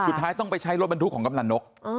สุดท้ายต้องไปใช้รถบรรทุกของกำลังนก